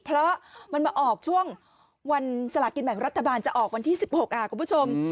เพราะมันมาออกช่วงวันสลากินแบ่งรัฐบาลจะออกวันที่๑๖คุณผู้ชม